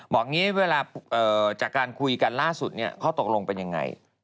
บอกงี้เวลาจากการคุยกันล่าสุดเนี่ยเขาตกลงเป็นยังไง